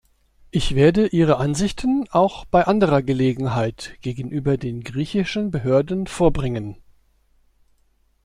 Ich werde Ihre Ansichten auch bei anderer Gelegenheit gegenüber den griechischen Behörden vorbringen.